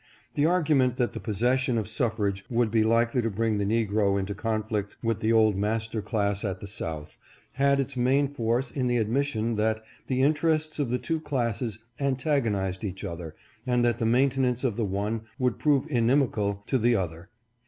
The argument that the possession of suffrage would be likely to bring the negro into conflict with the old master class at the South, had its main force in the admission that the interests of the two classes antagonized each other and that the maintenance of the one would prove inimical to the other.